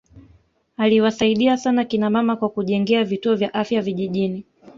aliwasaidia sana kina mama kwa kujengea vituo vya afya vijijini